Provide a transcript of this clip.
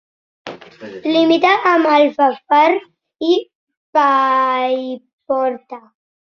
Limita amb Alfafar i Paiporta.